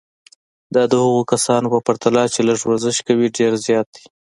دا د هغو کسانو په پرتله چې لږ ورزش کوي ډېر زیات دی.